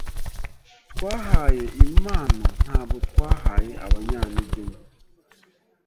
twahaye impano ntabwo twahaye abanyantege nke